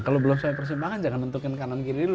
kalau belum sampai persimpangan jangan tentukan kanan kiri dulu